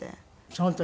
その時？